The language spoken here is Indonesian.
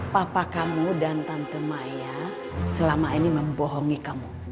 papa kamu dan tante maya selama ini membohongi kamu